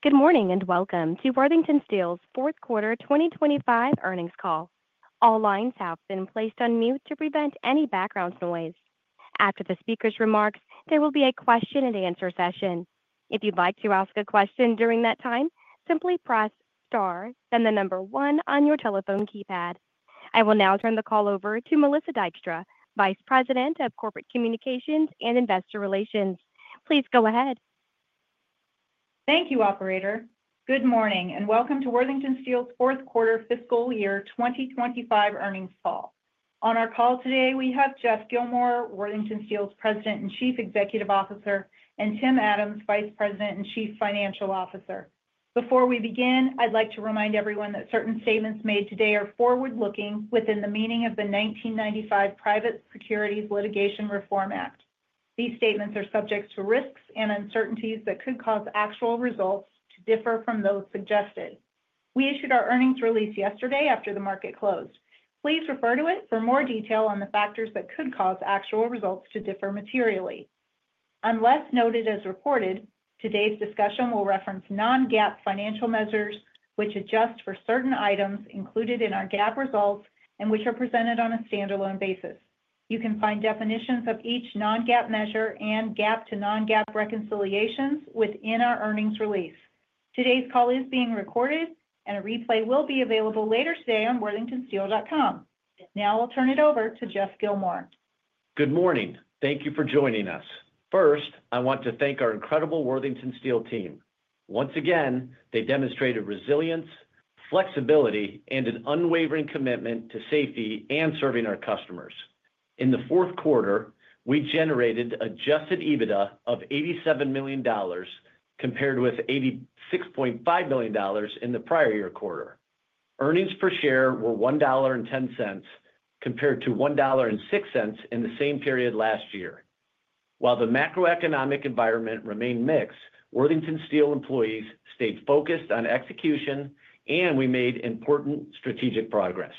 Good morning and welcome to Worthington Steel's fourth quarter 2025 earnings call. All lines have been placed on mute to prevent any background noise. After the speaker's remarks, there will be a question-and-answer session. If you'd like to ask a question during that time, simply press star, then the number one on your telephone keypad. I will now turn the call over to Melissa Dykstra, Vice President of Corporate Communications and Investor Relations. Please go ahead. Thank you, Operator. Good morning and welcome to Worthington Steel's fourth quarter fiscal year 2025 earnings call. On our call today, we have Jeff Gilmore, Worthington Steel's President and Chief Executive Officer, and Tim Adams, Vice President and Chief Financial Officer. Before we begin, I'd like to remind everyone that certain statements made today are forward-looking within the meaning of the 1995 Private Securities Litigation Reform Act. These statements are subject to risks and uncertainties that could cause actual results to differ from those suggested. We issued our earnings release yesterday after the market closed. Please refer to it for more detail on the factors that could cause actual results to differ materially. Unless noted as reported, today's discussion will reference non-GAAP financial measures, which adjust for certain items included in our GAAP results and which are presented on a standalone basis. You can find definitions of each non-GAAP measure and GAAP to non-GAAP reconciliations within our earnings release. Today's call is being recorded, and a replay will be available later today on worthingtonsteel.com. Now I'll turn it over to Jeff Gilmore. Good morning. Thank you for joining us. First, I want to thank our incredible Worthington Steel team. Once again, they demonstrated resilience, flexibility, and an unwavering commitment to safety and serving our customers. In the fourth quarter, we generated adjusted EBITDA of $87 million compared with $86.5 million in the prior year quarter. Earnings per share were $1.10 compared to $1.06 in the same period last year. While the macroeconomic environment remained mixed, Worthington Steel employees stayed focused on execution, and we made important strategic progress.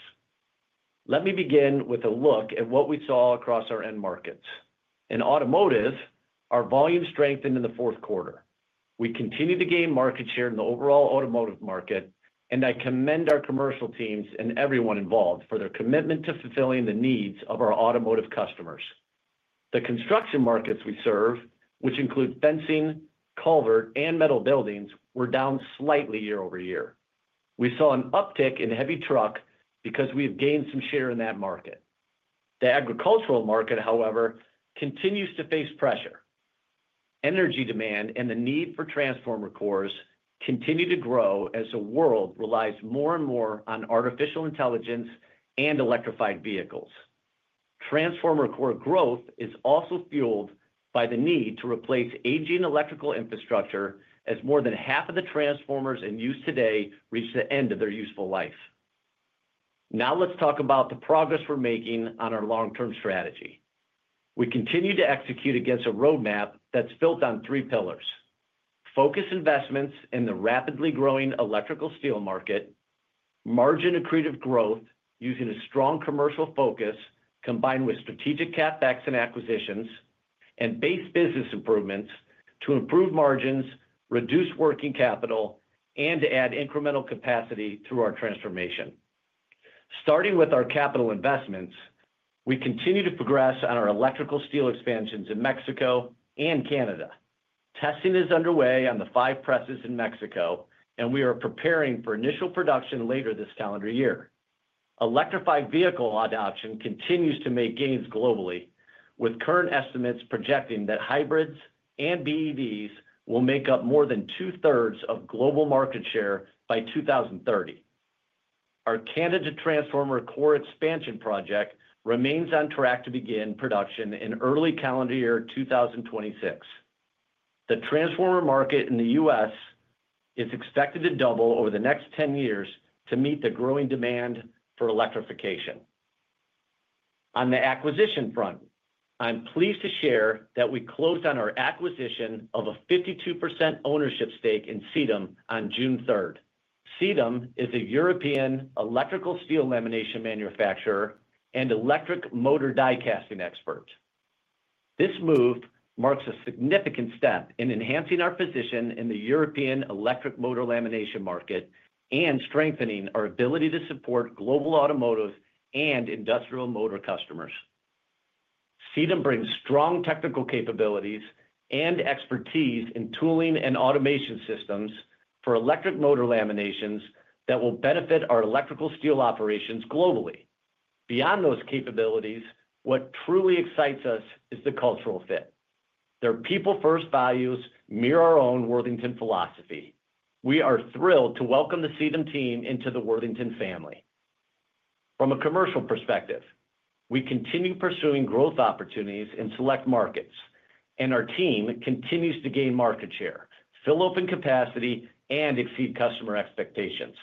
Let me begin with a look at what we saw across our end markets. In automotive, our volume strengthened in the fourth quarter. We continue to gain market share in the overall automotive market, and I commend our commercial teams and everyone involved for their commitment to fulfilling the needs of our automotive customers. The construction markets we serve, which include fencing, culvert, and metal buildings, were down slightly year-over-year. We saw an uptick in heavy truck because we have gained some share in that market. The agricultural market, however, continues to face pressure. Energy demand and the need for transformer cores continue to grow as the world relies more and more on artificial intelligence and electrified vehicles. Transformer core growth is also fueled by the need to replace aging electrical infrastructure, as more than half of the transformers in use today reach the end of their useful life. Now let's talk about the progress we're making on our long-term strategy. We continue to execute against a roadmap that's built on three pillars: focused investments in the rapidly growing electrical steel market, margin accretive growth using a strong commercial focus combined with strategic CapEx and acquisitions, and base business improvements to improve margins, reduce working capital, and add incremental capacity through our transformation. Starting with our capital investments, we continue to progress on our electrical steel expansions in Mexico and Canada. Testing is underway on the five presses in Mexico, and we are preparing for initial production later this calendar year. Electrified vehicle adoption continues to make gains globally, with current estimates projecting that hybrids and BEVs will make up more than two-thirds of global market share by 2030. Our Canada transformer core expansion project remains on track to begin production in early calendar year 2026. The transformer market in the U.S. is expected to double over the next 10 years to meet the growing demand for electrification. On the acquisition front, I'm pleased to share that we closed on our acquisition of a 52% ownership stake in Cedum on June 3rd. Cedum is a European electrical steel lamination manufacturer and electric motor die casting expert. This move marks a significant step in enhancing our position in the European electric motor lamination market and strengthening our ability to support global automotive and industrial motor customers. Cedum brings strong technical capabilities and expertise in tooling and automation systems for electric motor laminations that will benefit our electrical steel operations globally. Beyond those capabilities, what truly excites us is the cultural fit. Their people-first values mirror our own Worthington philosophy. We are thrilled to welcome the Cedum team into the Worthington family. From a commercial perspective, we continue pursuing growth opportunities in select markets, and our team continues to gain market share, fill open capacity, and exceed customer expectations.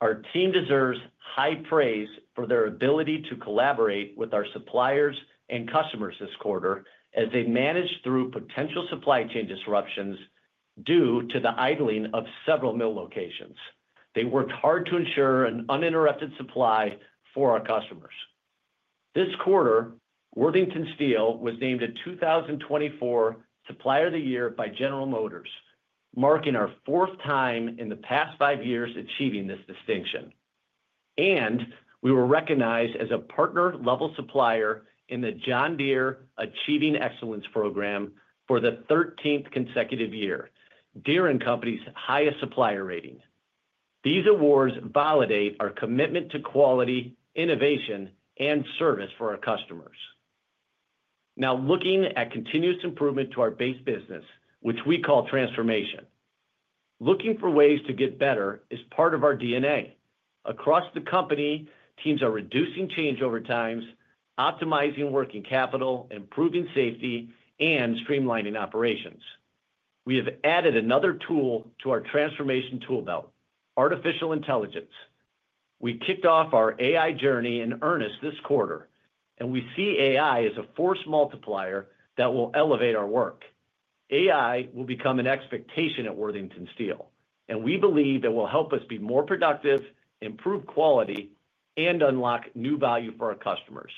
Our team deserves high praise for their ability to collaborate with our suppliers and customers this quarter as they managed through potential supply chain disruptions due to the idling of several mill locations. They worked hard to ensure an uninterrupted supply for our customers. This quarter, Worthington Steel was named a 2024 Supplier of the Year by General Motors, marking our fourth time in the past five years achieving this distinction. We were recognized as a partner-level supplier in the John Deere Achieving Excellence Program for the 13th consecutive year, Deere & Company's highest supplier rating. These awards validate our commitment to quality, innovation, and service for our customers. Now, looking at continuous improvement to our base business, which we call transformation. Looking for ways to get better is part of our DNA. Across the company, teams are reducing changeover times, optimizing working capital, improving safety, and streamlining operations. We have added another tool to our transformation toolbelt: Artificial Intelligence. We kicked off our AI journey in earnest this quarter, and we see AI as a force multiplier that will elevate our work. AI will become an expectation at Worthington Steel, and we believe it will help us be more productive, improve quality, and unlock new value for our customers.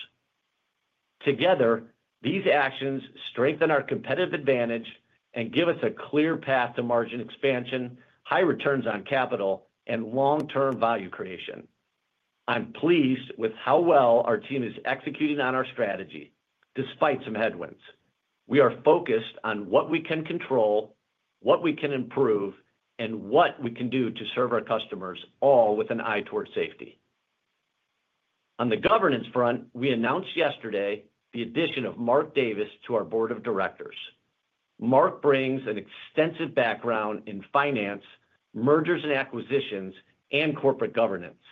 Together, these actions strengthen our competitive advantage and give us a clear path to margin expansion, high returns on capital, and long-term value creation. I'm pleased with how well our team is executing on our strategy despite some headwinds. We are focused on what we can control, what we can improve, and what we can do to serve our customers, all with an eye toward safety. On the governance front, we announced yesterday the addition of Mark Davis to our board of directors. Mark brings an extensive background in finance, mergers and acquisitions, and corporate governance.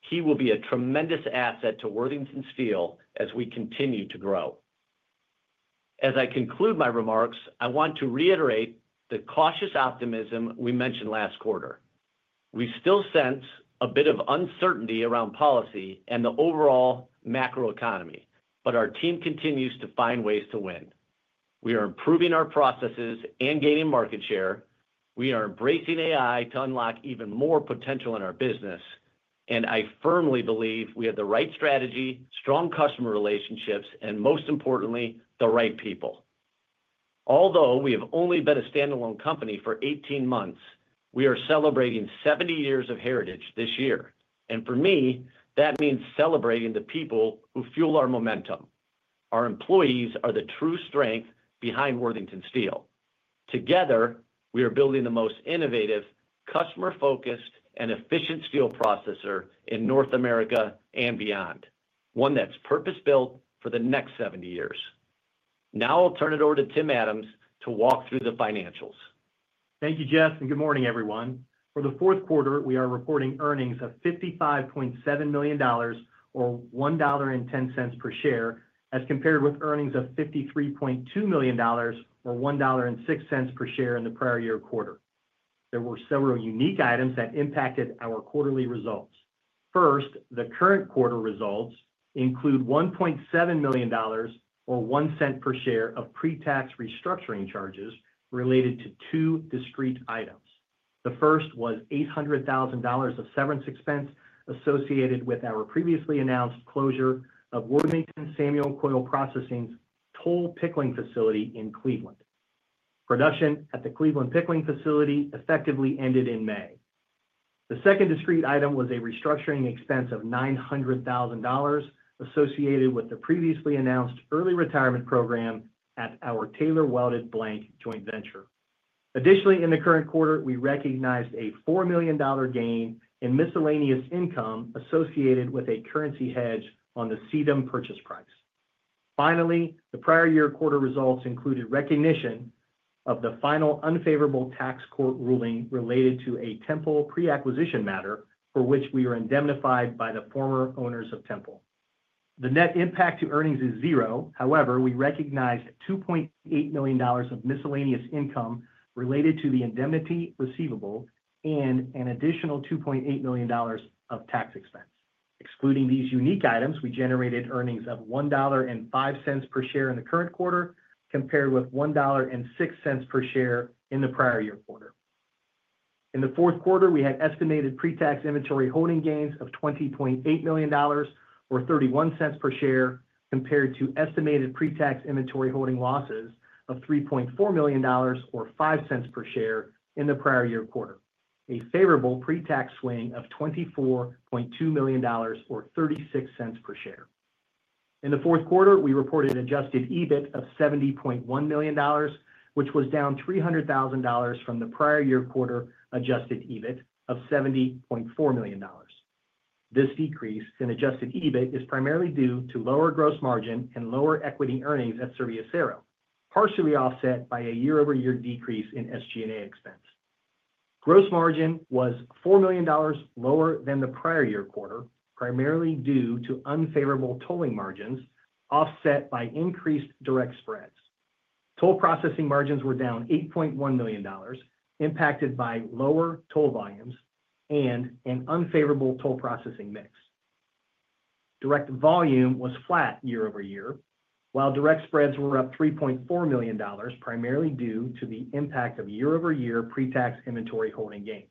He will be a tremendous asset to Worthington Steel as we continue to grow. As I conclude my remarks, I want to reiterate the cautious optimism we mentioned last quarter. We still sense a bit of uncertainty around policy and the overall macroeconomy, but our team continues to find ways to win. We are improving our processes and gaining market share. We are embracing AI to unlock even more potential in our business, and I firmly believe we have the right strategy, strong customer relationships, and most importantly, the right people. Although we have only been a standalone company for 18 months, we are celebrating 70 years of heritage this year. For me, that means celebrating the people who fuel our momentum. Our employees are the true strength behind Worthington Steel. Together, we are building the most innovative, customer-focused, and efficient steel processor in North America and beyond, one that is purpose-built for the next 70 years. Now I'll turn it over to Tim Adams to walk through the financials. Thank you, Jeff, and good morning, everyone. For the fourth quarter, we are reporting earnings of $55.7 million or $1.10 per share as compared with earnings of $53.2 million or $1.06 per share in the prior year quarter. There were several unique items that impacted our quarterly results. First, the current quarter results include $1.7 million or $0.01 per share of pre-tax restructuring charges related to two discrete items. The first was $800,000 of severance expense associated with our previously announced closure of Worthington Samuel Coil Processing's toll pickling facility in Cleveland. Production at the Cleveland pickling facility effectively ended in May. The second discrete item was a restructuring expense of $900,000 associated with the previously announced early retirement program at our Taylor Welded Blanks joint venture. Additionally, in the current quarter, we recognized a $4 million gain in miscellaneous income associated with a currency hedge on the Cedum purchase price. Finally, the prior year quarter results included recognition of the final unfavorable tax court ruling related to a Temple pre-acquisition matter for which we were indemnified by the former owners of Temple. The net impact to earnings is zero. However, we recognized $2.8 million of miscellaneous income related to the indemnity receivable and an additional $2.8 million of tax expense. Excluding these unique items, we generated earnings of $1.05 per share in the current quarter compared with $1.06 per share in the prior year quarter. In the fourth quarter, we had estimated pre-tax inventory holding gains of $20.8 million or $0.31 per share compared to estimated pre-tax inventory holding losses of $3.4 million or $0.05 per share in the prior year quarter, a favorable pre-tax swing of $24.2 million or $0.36 per share. In the fourth quarter, we reported adjusted EBIT of $70.1 million, which was down $300,000 from the prior year quarter adjusted EBIT of $70.4 million. This decrease in adjusted EBIT is primarily due to lower gross margin and lower equity earnings at Serviacero, partially offset by a year-over-year decrease in SG&A expense. Gross margin was $4 million lower than the prior year quarter, primarily due to unfavorable tolling margins offset by increased direct spreads. Toll processing margins were down $8.1 million, impacted by lower toll volumes and an unfavorable toll processing mix. Direct volume was flat year-over-year, while direct spreads were up $3.4 million, primarily due to the impact of year-over-year pre-tax inventory holding gains.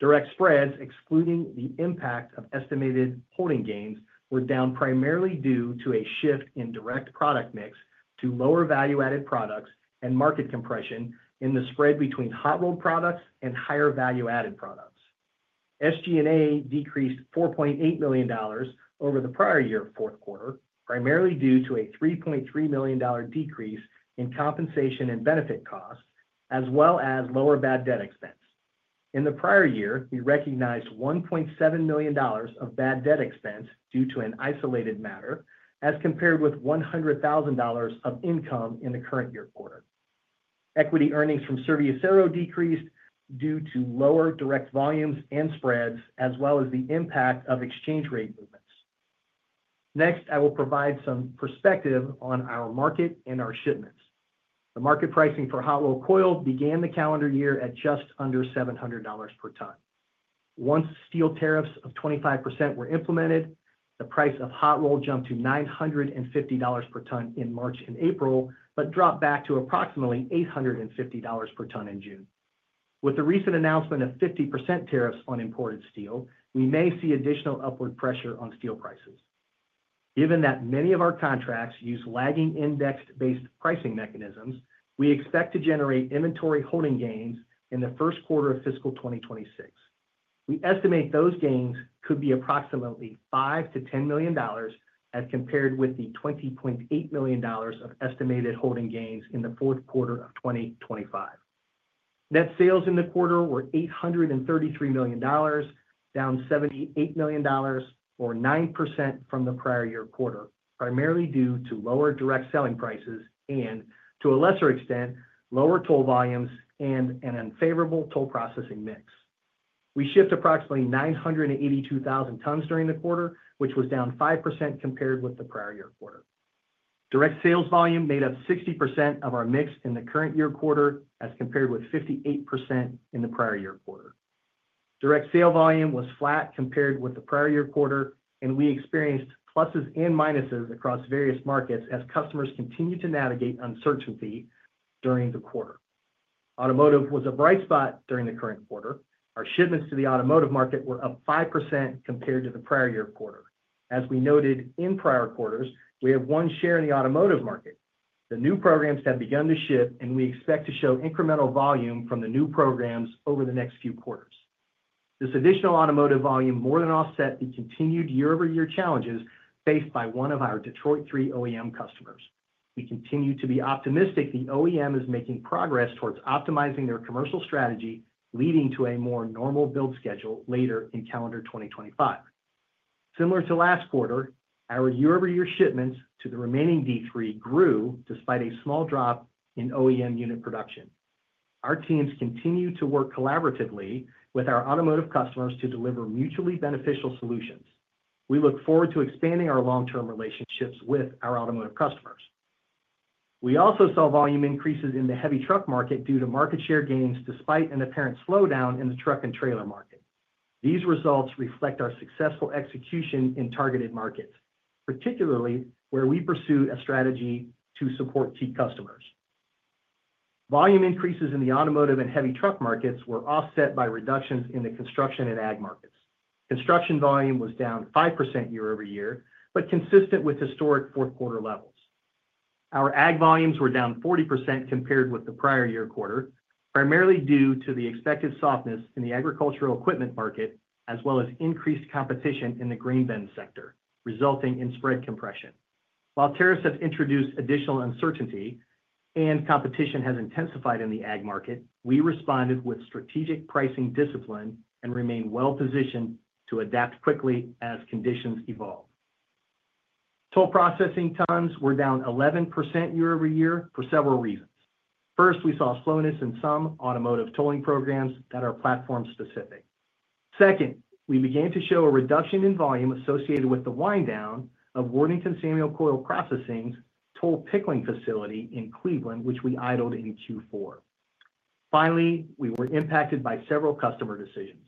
Direct spreads, excluding the impact of estimated holding gains, were down primarily due to a shift in direct product mix to lower value-added products and market compression in the spread between hot-rolled products and higher value-added products. SG&A decreased $4.8 million over the prior year fourth quarter, primarily due to a $3.3 million decrease in compensation and benefit costs, as well as lower bad debt expense. In the prior year, we recognized $1.7 million of bad debt expense due to an isolated matter, as compared with $100,000 of income in the current year quarter. Equity earnings from Serviacero decreased due to lower direct volumes and spreads, as well as the impact of exchange rate movements. Next, I will provide some perspective on our market and our shipments. The market pricing for hot-rolled coil began the calendar year at just under $700 per ton. Once steel tariffs of 25% were implemented, the price of hot-rolled jumped to $950 per ton in March and April, but dropped back to approximately $850 per ton in June. With the recent announcement of 50% tariffs on imported steel, we may see additional upward pressure on steel prices. Given that many of our contracts use lagging index-based pricing mechanisms, we expect to generate inventory holding gains in the first quarter of fiscal 2026. We estimate those gains could be approximately $5-$10 million as compared with the $20.8 million of estimated holding gains in the fourth quarter of 2025. Net sales in the quarter were $833 million, down $78 million or 9% from the prior year quarter, primarily due to lower direct selling prices and, to a lesser extent, lower toll volumes and an unfavorable toll processing mix. We shipped approximately 982,000 tons during the quarter, which was down 5% compared with the prior year quarter. Direct sales volume made up 60% of our mix in the current year quarter as compared with 58% in the prior year quarter. Direct sales volume was flat compared with the prior year quarter, and we experienced pluses and minuses across various markets as customers continued to navigate uncertainty during the quarter. Automotive was a bright spot during the current quarter. Our shipments to the automotive market were up 5% compared to the prior year quarter. As we noted in prior quarters, we have one share in the automotive market. The new programs have begun to ship, and we expect to show incremental volume from the new programs over the next few quarters. This additional automotive volume more than offset the continued year-over-year challenges faced by one of our Detroit 3 OEM customers. We continue to be optimistic the OEM is making progress towards optimizing their commercial strategy, leading to a more normal build schedule later in calendar 2025. Similar to last quarter, our year-over-year shipments to the remaining D3 grew despite a small drop in OEM unit production. Our teams continue to work collaboratively with our automotive customers to deliver mutually beneficial solutions. We look forward to expanding our long-term relationships with our automotive customers. We also saw volume increases in the heavy truck market due to market share gains despite an apparent slowdown in the truck and trailer market. These results reflect our successful execution in targeted markets, particularly where we pursue a strategy to support key customers. Volume increases in the automotive and heavy truck markets were offset by reductions in the construction and ag markets. Construction volume was down 5% year-over-year, but consistent with historic fourth quarter levels. Our ag volumes were down 40% compared with the prior year quarter, primarily due to the expected softness in the agricultural equipment market, as well as increased competition in the grain bin sector, resulting in spread compression. While tariffs have introduced additional uncertainty and competition has intensified in the ag market, we responded with strategic pricing discipline and remain well-positioned to adapt quickly as conditions evolve. Toll processing tons were down 11% year-over-year for several reasons. First, we saw slowness in some automotive tolling programs that are platform-specific. Second, we began to show a reduction in volume associated with the wind down of Worthington Samuel Coil Processing's toll pickling facility in Cleveland, which we idled in Q4. Finally, we were impacted by several customer decisions.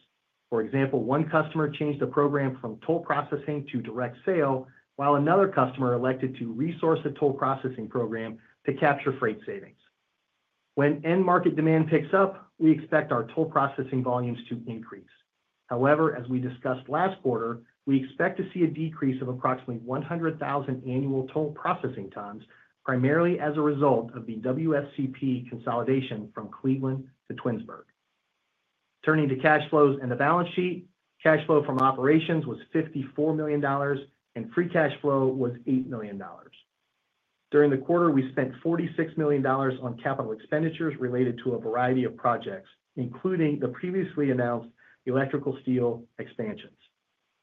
For example, one customer changed the program from toll processing to direct sale, while another customer elected to resource the toll processing program to capture freight savings. When end market demand picks up, we expect our toll processing volumes to increase. However, as we discussed last quarter, we expect to see a decrease of approximately 100,000 annual toll processing tons, primarily as a result of the WSCP consolidation from Cleveland to Twinsburg. Turning to cash flows and the balance sheet, cash flow from operations was $54 million, and free cash flow was $8 million. During the quarter, we spent $46 million on capital expenditures related to a variety of projects, including the previously announced electrical steel expansions.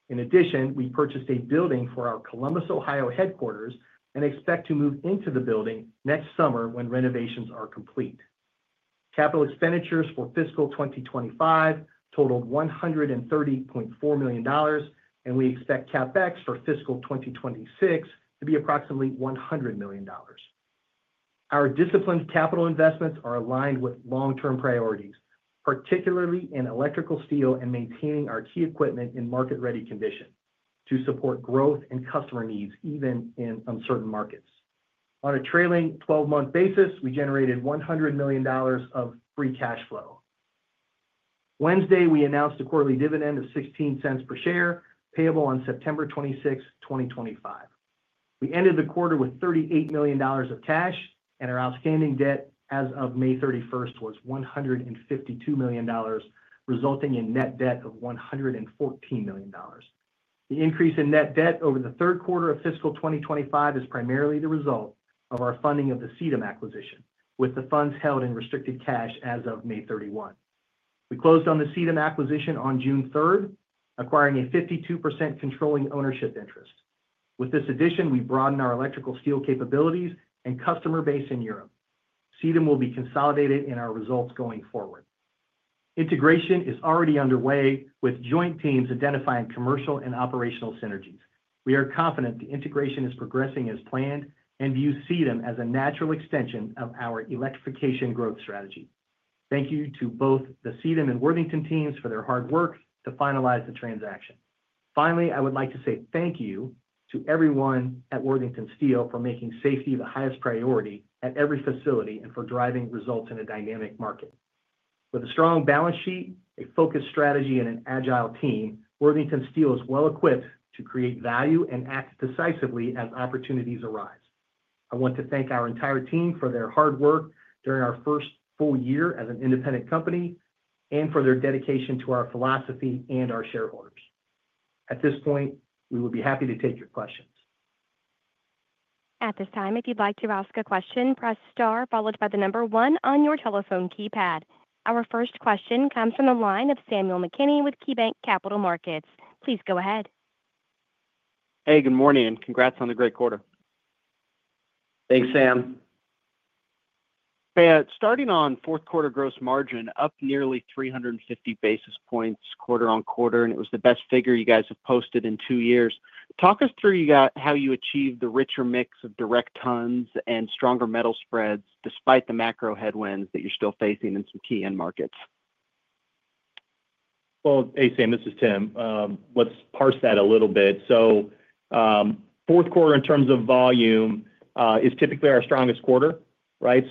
In addition, we purchased a building for our Columbus, Ohio headquarters and expect to move into the building next summer when renovations are complete. Capital expenditures for fiscal 2025 totaled $130.4 million, and we expect CapEx for fiscal 2026 to be approximately $100 million. Our disciplined capital investments are aligned with long-term priorities, particularly in electrical steel and maintaining our key equipment in market-ready condition to support growth and customer needs even in uncertain markets. On a trailing 12-month basis, we generated $100 million of free cash flow. Wednesday, we announced a quarterly dividend of $0.16 per share, payable on September 26, 2025. We ended the quarter with $38 million of cash, and our outstanding debt as of May 31 was $152 million, resulting in net debt of $114 million. The increase in net debt over the third quarter of fiscal 2025 is primarily the result of our funding of the Cedum acquisition, with the funds held in restricted cash as of May 31. We closed on the Cedum acquisition on June 3, acquiring a 52% controlling ownership interest. With this addition, we broaden our electrical steel capabilities and customer base in Europe. Cedum will be consolidated in our results going forward. Integration is already underway, with joint teams identifying commercial and operational synergies. We are confident the integration is progressing as planned and view Cedum as a natural extension of our electrification growth strategy. Thank you to both the Cedum and Worthington teams for their hard work to finalize the transaction. Finally, I would like to say thank you to everyone at Worthington Steel for making safety the highest priority at every facility and for driving results in a dynamic market. With a strong balance sheet, a focused strategy, and an agile team, Worthington Steel is well-equipped to create value and act decisively as opportunities arise. I want to thank our entire team for their hard work during our first full year as an independent company and for their dedication to our philosophy and our shareholders. At this point, we would be happy to take your questions. At this time, if you'd like to ask a question, press star followed by the number one on your telephone keypad. Our first question comes from the line of Samuel McKinney with KeyBanc Capital Markets. Please go ahead. Hey, good morning. Congrats on the great quarter. Thanks, Sam. Starting on fourth quarter gross margin, up nearly 350 basis points quarter on quarter, and it was the best figure you guys have posted in two years. Talk us through how you achieved the richer mix of direct tons and stronger metal spreads despite the macro headwinds that you're still facing in some key end markets. Hey, Sam, this is Tim. Let's parse that a little bit. Fourth quarter, in terms of volume, is typically our strongest quarter.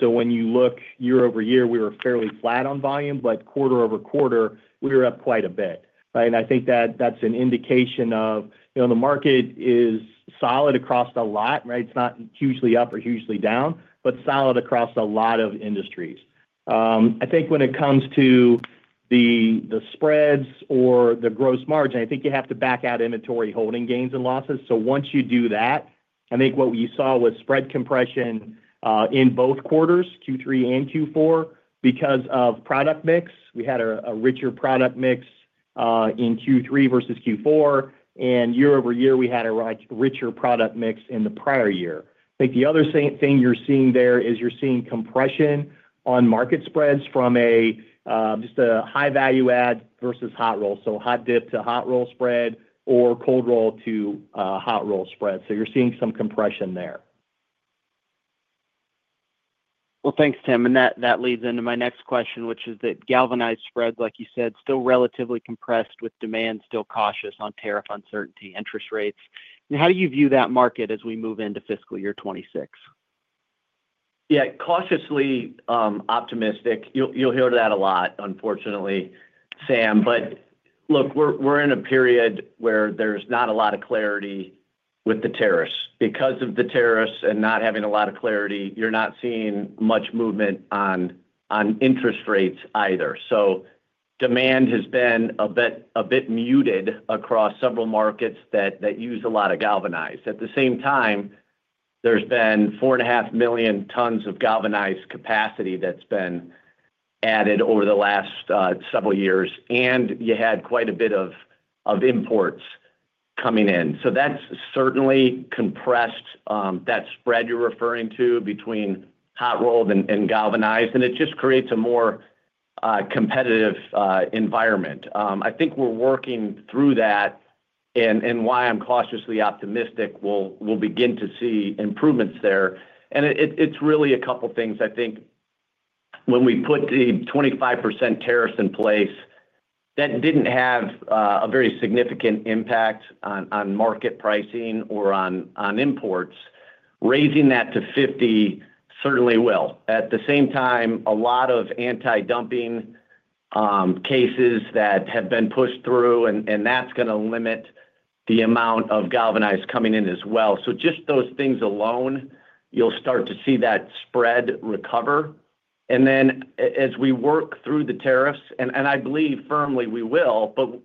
When you look year-over-year, we were fairly flat on volume, but quarter over quarter, we were up quite a bit. I think that that's an indication of the market is solid across a lot. It's not hugely up or hugely down, but solid across a lot of industries. I think when it comes to the spreads or the gross margin, I think you have to back out inventory holding gains and losses. Once you do that, I think what you saw was spread compression in both quarters, Q3 and Q4, because of product mix. We had a richer product mix in Q3 versus Q4, and year-over-year, we had a richer product mix in the prior year. I think the other thing you're seeing there is you're seeing compression on market spreads from just a high-value-add versus hot roll. Hot dip to hot roll spread or cold roll to hot roll spread. You're seeing some compression there. Thanks, Tim. That leads into my next question, which is that galvanized spreads, like you said, still relatively compressed with demand still cautious on tariff uncertainty, interest rates. How do you view that market as we move into fiscal year 2026? Yeah, cautiously optimistic. You'll hear that a lot, unfortunately, Sam. Look, we're in a period where there's not a lot of clarity with the tariffs. Because of the tariffs and not having a lot of clarity, you're not seeing much movement on interest rates either. Demand has been a bit muted across several markets that use a lot of galvanized. At the same time, there's been 4.5 million tons of galvanized capacity that's been added over the last several years, and you had quite a bit of imports coming in. That's certainly compressed that spread you're referring to between hot-rolled and galvanized, and it just creates a more competitive environment. I think we're working through that, and why I'm cautiously optimistic we'll begin to see improvements there. It is really a couple of things. I think when we put the 25% tariffs in place, that did not have a very significant impact on market pricing or on imports. Raising that to 50% certainly will. At the same time, a lot of anti-dumping cases have been pushed through, and that is going to limit the amount of galvanized coming in as well. Just those things alone, you will start to see that spread recover. As we work through the tariffs, and I believe firmly we will,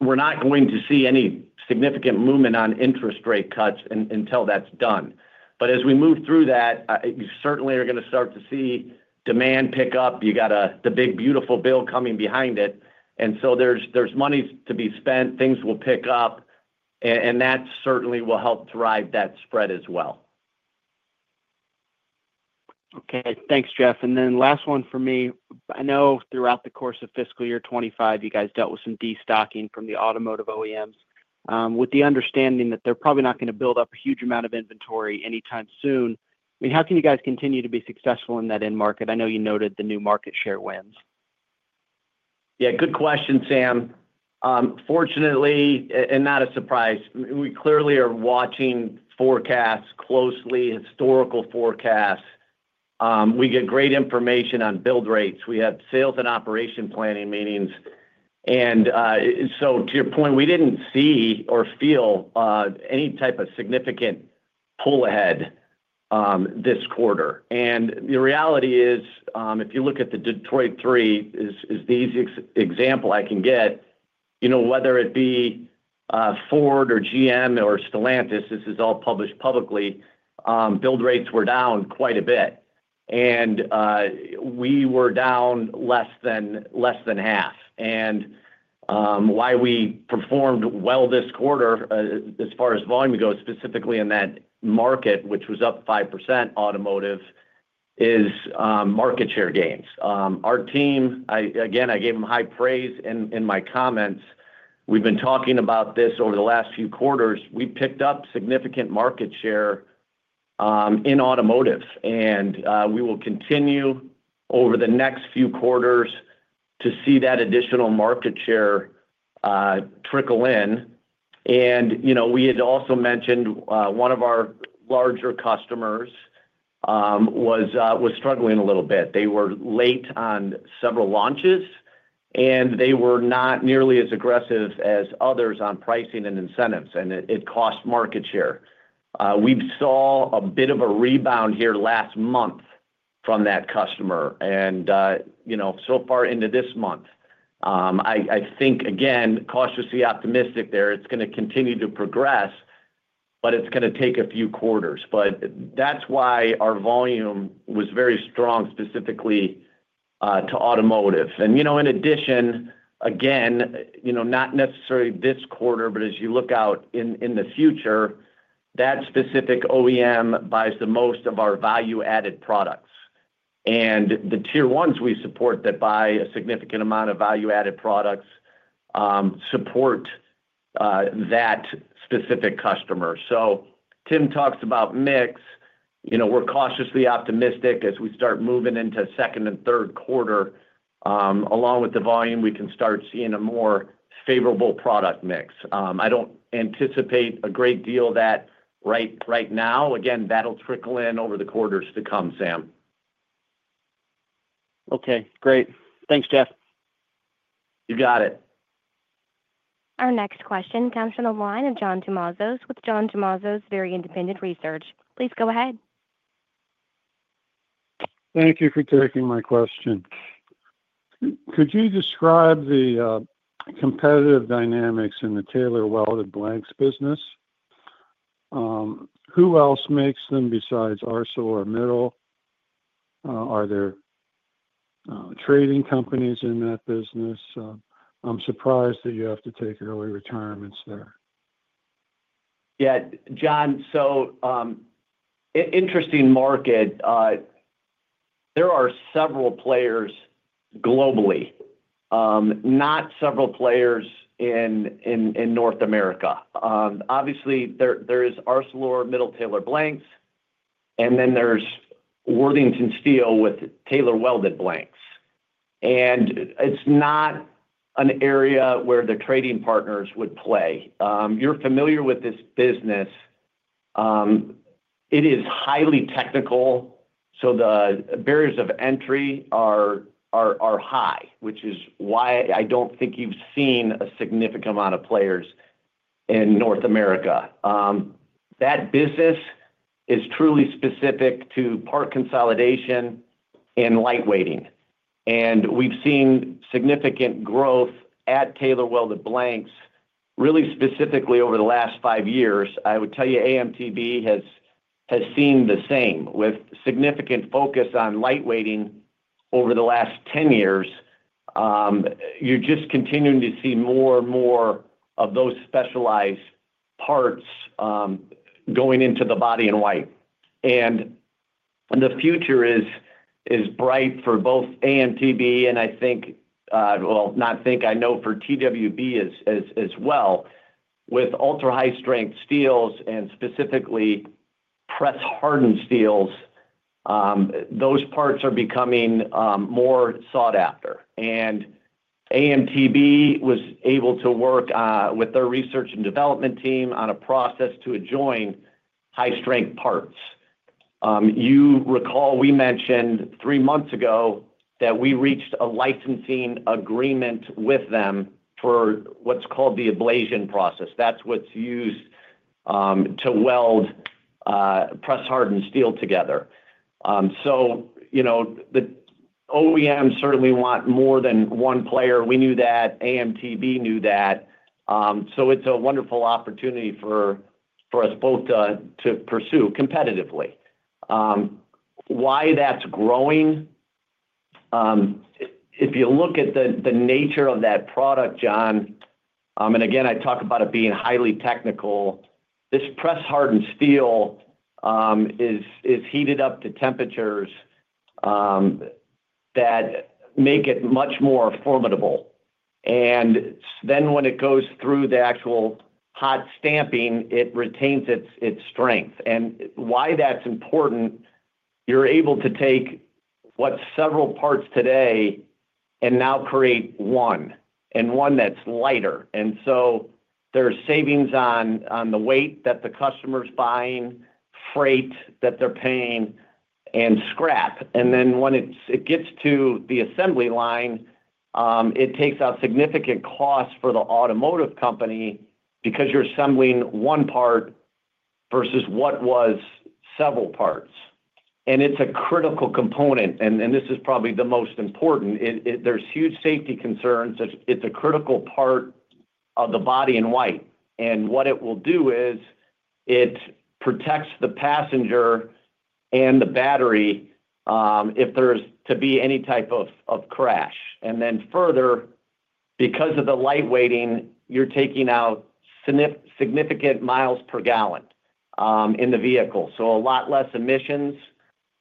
we are not going to see any significant movement on interest rate cuts until that is done. As we move through that, you certainly are going to start to see demand pick up. You have the big beautiful bill coming behind it. There is money to be spent. Things will pick up, and that certainly will help drive that spread as well. Okay. Thanks, Jeff. And then last one for me. I know throughout the course of fiscal year 2025, you guys dealt with some destocking from the automotive OEMs with the understanding that they're probably not going to build up a huge amount of inventory anytime soon. I mean, how can you guys continue to be successful in that end market? I know you noted the new market share wins. Yeah, good question, Sam. Fortunately, and not a surprise, we clearly are watching forecasts closely, historical forecasts. We get great information on build rates. We have sales and operation planning meetings. To your point, we did not see or feel any type of significant pull ahead this quarter. The reality is, if you look at the Detroit 3, the easiest example I can get, whether it be Ford or GM or Stellantis, this is all published publicly, build rates were down quite a bit. We were down less than half. Why we performed well this quarter, as far as volume goes, specifically in that market, which was up 5% automotive, is market share gains. Our team, again, I gave them high praise in my comments. We've been talking about this over the last few quarters. We picked up significant market share in automotive, and we will continue over the next few quarters to see that additional market share trickle in. We had also mentioned one of our larger customers was struggling a little bit. They were late on several launches, and they were not nearly as aggressive as others on pricing and incentives, and it cost market share. We saw a bit of a rebound here last month from that customer. So far into this month, I think, again, cautiously optimistic there. It's going to continue to progress, but it's going to take a few quarters. That is why our volume was very strong, specifically to automotive. In addition, again, not necessarily this quarter, but as you look out in the future, that specific OEM buys the most of our value-added products. The tier ones we support that buy a significant amount of value-added products support that specific customer. Tim talks about mix. We're cautiously optimistic as we start moving into second and third quarter. Along with the volume, we can start seeing a more favorable product mix. I don't anticipate a great deal of that right now. Again, that'll trickle in over the quarters to come, Sam. Okay. Great. Thanks, Jeff. You got it. Our next question comes from the line of John D'Malzos with John D'Malzos Very Independent Research. Please go ahead. Thank you for taking my question. Could you describe the competitive dynamics in the Taylor Welded Blanks business? Who else makes them besides ArcelorMittal? Are there trading companies in that business? I'm surprised that you have to take early retirements there. Yeah, John, so interesting market. There are several players globally, not several players in North America. Obviously, there is ArcelorMittal, Taylor Blanks, and then there's Worthington Steel with Taylor Welded Blanks. It's not an area where the trading partners would play. You're familiar with this business. It is highly technical, so the barriers of entry are high, which is why I do not think you have seen a significant amount of players in North America. That business is truly specific to part consolidation and lightweighting. We have seen significant growth at Taylor Welded Blanks, really specifically over the last five years. I would tell you AMTB has seen the same with significant focus on lightweighting over the last 10 years. You are just continuing to see more and more of those specialized parts going into the body and white. The future is bright for both AMTB and, I think, well, not think, I know for TWB as well, with ultra high-strength steels and specifically press-hardened steels, those parts are becoming more sought after. AMTB was able to work with their research and development team on a process to adjoin high-strength parts. You recall we mentioned three months ago that we reached a licensing agreement with them for what's called the ablation process. That's what's used to weld press-hardened steel together. The OEMs certainly want more than one player. We knew that. AMTB knew that. It is a wonderful opportunity for us both to pursue competitively. Why that's growing? If you look at the nature of that product, John, and again, I talk about it being highly technical, this press-hardened steel is heated up to temperatures that make it much more formidable. When it goes through the actual hot stamping, it retains its strength. Why that's important, you're able to take what's several parts today and now create one and one that's lighter. There are savings on the weight that the customer's buying, freight that they're paying, and scrap. When it gets to the assembly line, it takes out significant costs for the automotive company because you're assembling one part versus what was several parts. It is a critical component, and this is probably the most important. There are huge safety concerns. It is a critical part of the body and white. What it will do is it protects the passenger and the battery if there is to be any type of crash. Further, because of the lightweighting, you're taking out significant miles per gallon in the vehicle. A lot less emissions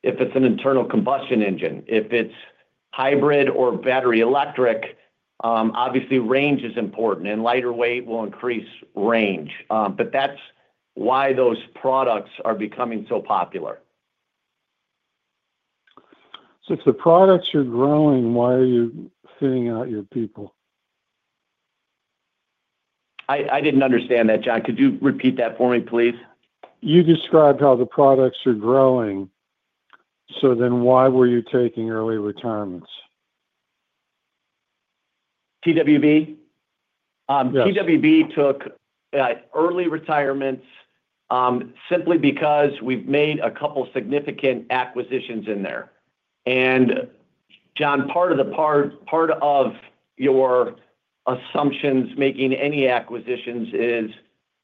if it is an internal combustion engine. If it is hybrid or battery electric, obviously, range is important, and lighter weight will increase range. That is why those products are becoming so popular. If the products are growing, why are you fitting out your people? I did not understand that, John. Could you repeat that for me, please? You described how the products are growing. So then why were you taking early retirements? TWB? Yes. TWB took early retirements simply because we've made a couple of significant acquisitions in there. And, John, part of your assumptions making any acquisitions is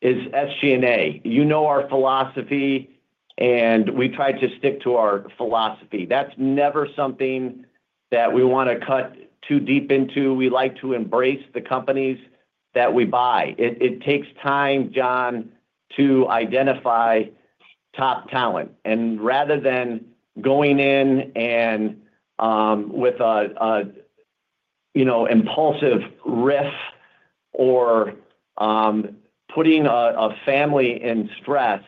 SG&A. You know our philosophy, and we try to stick to our philosophy. That's never something that we want to cut too deep into. We like to embrace the companies that we buy. It takes time, John, to identify top talent. And rather than going in with an impulsive riff or putting a family in stress,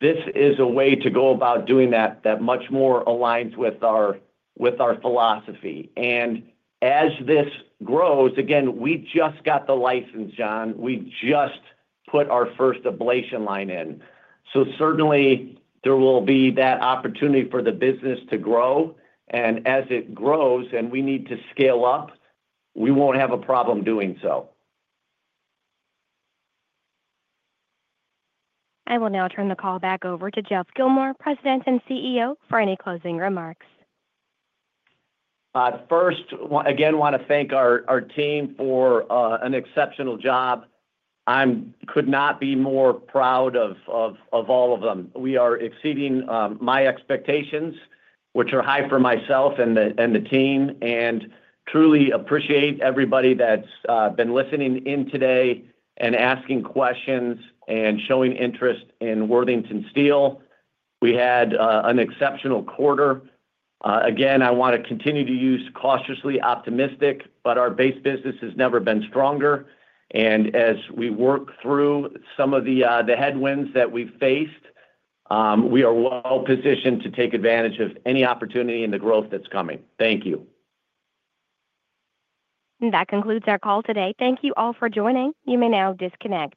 this is a way to go about doing that that much more aligns with our philosophy. As this grows, again, we just got the license, John. We just put our first ablation line in. Certainly, there will be that opportunity for the business to grow. As it grows and we need to scale up, we will not have a problem doing so. I will now turn the call back over to Jeff Gilmore, President and CEO, for any closing remarks. First, again, want to thank our team for an exceptional job. I could not be more proud of all of them. We are exceeding my expectations, which are high for myself and the team. I truly appreciate everybody that has been listening in today and asking questions and showing interest in Worthington Steel. We had an exceptional quarter. Again, I want to continue to use cautiously optimistic, but our base business has never been stronger. As we work through some of the headwinds that we have faced, we are well-positioned to take advantage of any opportunity and the growth that is coming. Thank you. That concludes our call today. Thank you all for joining. You may now disconnect.